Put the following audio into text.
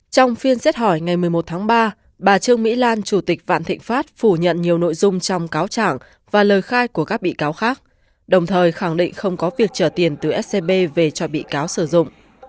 trong phiên xét hỏi ngày một mươi một tháng ba bà trương mỹ lan chủ tịch vạn thịnh pháp phủ nhận nhiều nội dung trong cáo trảng và lời khai của các bị cáo khác đồng thời khẳng định không có việc trở tiền từ scb về cho bị cáo sử dụng